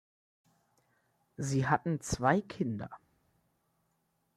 Sie hatten zwei Kinder.